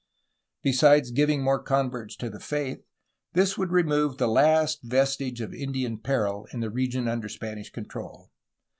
Besides giving more converts to the faith this would remove the last vestige of Indian peril in the region under Spanish control.